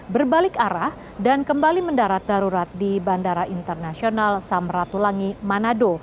berbalik arah dan kembali mendarat darurat di bandara internasional samratulangi manado